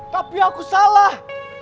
tapi aku salah